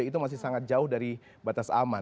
itu masih sangat jauh dari batas aman